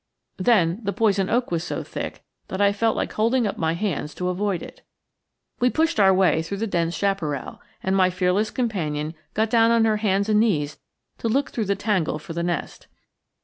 Then, the poison oak was so thick that I felt like holding up my hands to avoid it. We pushed our way through the dense chaparral, and my fearless companion got down on her hands and knees to look through the tangle for the nest.